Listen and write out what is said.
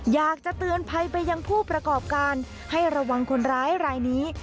อยากจะเตือนภัยไปยังผู้ประกอบการให้ระวังคนร้ายรายนี้